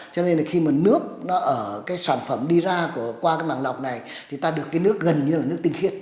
cho nên là khi mà nước nó ở cái sản phẩm đi ra qua cái màng lọc này thì ta được cái nước gần như là nước tinh khiết